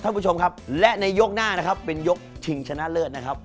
ท่านผู้ชมครับและในยกหน้านะครับเป็นยกชิงชนะเลิศนะครับ